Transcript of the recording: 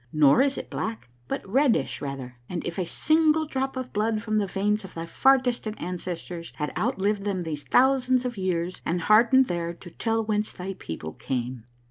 Nor is it black, but reddish rather, as if a single drop of blood from the veins of thy far distant ancestors had outlived them these thousands of years and hardened there to tell whence thy people came."